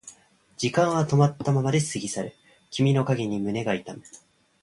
時間は止まったままで過ぎ去る君の影に胸が痛む